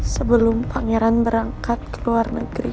sebelum pangeran berangkat ke luar negeri